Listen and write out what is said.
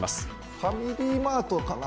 ファミリーマートかな？